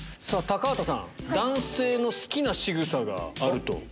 高畑さん男性の好きなしぐさがあると。